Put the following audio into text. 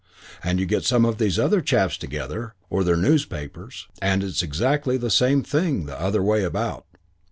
And you get some of these other chaps together, or their newspapers, and it's exactly the same thing the other way about.